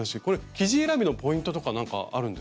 生地選びのポイントとか何かあるんですか？